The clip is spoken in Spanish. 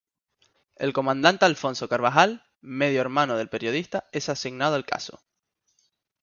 El comandante Alfonso Carbajal, medio hermano del periodista es asignado al caso.